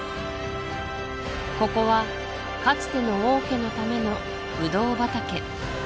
ここはかつての王家のためのブドウ畑